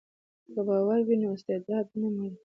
که باور وي نو استعداد نه مري.